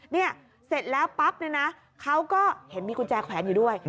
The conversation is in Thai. เสร็จแล้วปั๊บเนี่ยนะเขาก็เห็นมีกุญแจแขวนอยู่ด้วย